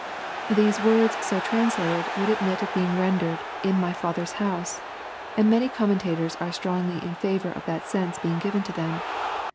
'] These words so translated would admit of being rendered "in my Father's house," and many commentators are strongly in favor of that sense being given to them.